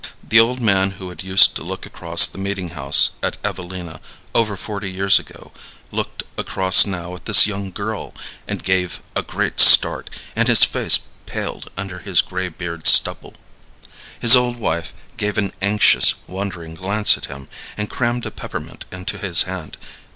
The old man who had used to look across the meeting house at Evelina, over forty years ago, looked across now at this young girl, and gave a great start, and his face paled under his gray beard stubble. His old wife gave an anxious, wondering glance at him, and crammed a peppermint into his hand.